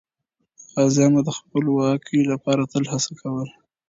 غازیان به د خپلواکۍ لپاره تل هڅه کوله.